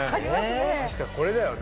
確かにこれだよね